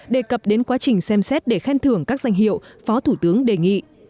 đề cập đến quá trình xem xét để khen thưởng các danh hiệu phó thủ tướng đề nghị